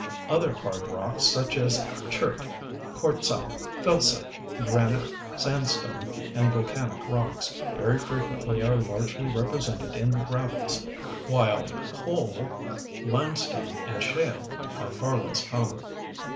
Other hard rocks such as chert, quartzite, felsite, granite, sandstone and volcanic rocks very frequently are largely represented in gravels, while coal, limestone and shale are far less common.